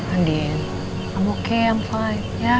andien aku baik baik aja